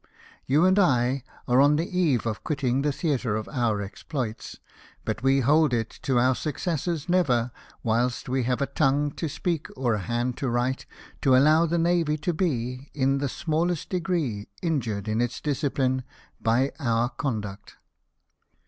You and I are on the eve of quitting the theatre of our exploits ; but we hold it to our successors never, whilst we have a tongue to speak or a hand to Avrite, to allow the navy to be, in the smallest degree, injured in its discipline by our conduct."